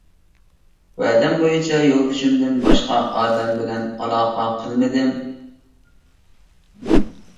ۋەدەم بويىچە يولدىشىمدىن باشقا ئادەم بىلەن ئالاقە قىلمىدىم.